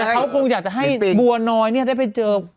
เขาคงอยากจะให้บัวน้อยได้ไปเจอ